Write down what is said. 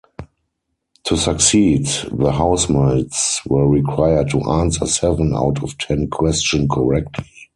To succeed, the Housemates were required to answer seven out of ten questions correctly.